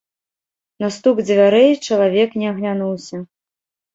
На стук дзвярэй чалавек не аглянуўся.